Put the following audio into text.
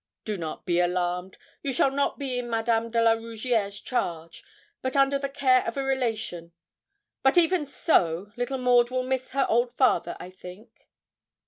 Do not be alarmed. You shall not be in Madame de la Rougierre's charge, but under the care of a relation; but even so, little Maud will miss her old father, I think.'